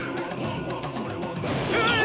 うわっ！